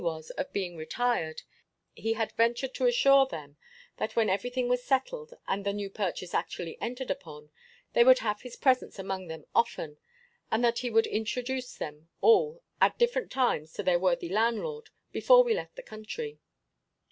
was of being retired, he had ventured to assure them, that when every thing was settled, and the new purchase actually entered upon, they would have his presence among them often; and that he would introduce them all at different times to their worthy landlord, before we left the country.